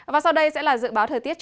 và sau đây sẽ là dự báo thời tiết